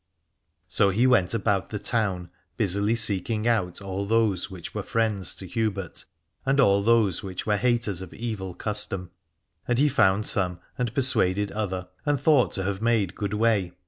307 Alad ore So he went about the town busily, seeking out all those which were friends to Hubert and all those which were haters of evil custom : and he found some and persuaded other, and thought to have made good way.